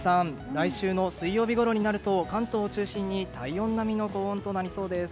来週の水曜日ごろになると関東を中心に体温の並みの高温となりそうです。